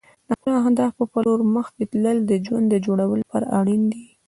د خپلو اهدافو په لور مخکې تلل د ژوند د جوړولو لپاره اړین دي.